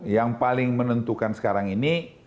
yang paling menentukan sekarang ini